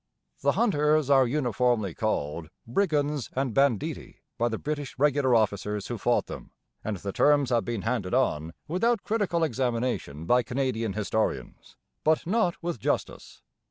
The 'Hunters' are uniformly called 'brigands' and 'banditti' by the British regular officers who fought them, and the terms have been handed on without critical examination by Canadian historians; but not with justice.